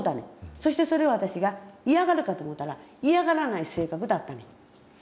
そしてそれを私が嫌がるかと思うたら嫌がらない性格だったねん。